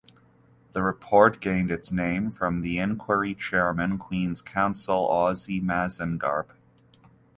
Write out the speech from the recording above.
The report gained its name from the inquiry chairman, Queen's Counsel Ossie Mazengarb.